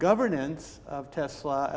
seperti yang kita tahu